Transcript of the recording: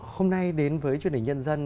hôm nay đến với truyền hình nhân dân